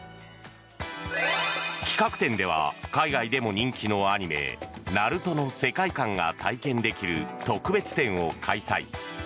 企画展では海外でも人気のアニメ「ＮＡＲＵＴＯ」の世界観が体験できる特別展を開催。